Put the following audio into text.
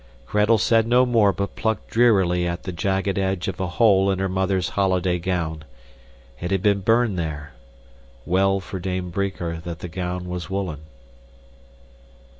Gretel said no more but plucked drearily at the jagged edge of a hole in her mother's holiday gown. It had been burned there. Well for Dame Brinker that the gown was woolen.